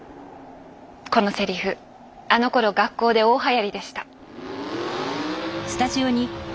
このセリフあのころ学校で大はやりでした。